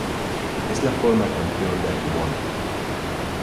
Es la forma Campeón de Agumon.